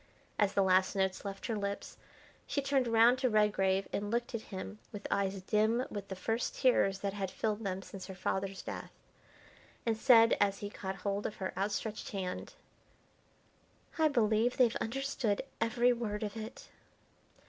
As the last notes left her lips, she turned round to Redgrave and looked at him with eyes dim with the first tears that had filled them since her father's death, and said, as he caught hold of her outstretched hand: "I believe they've understood every word of it."